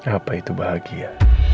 apa itu bahagia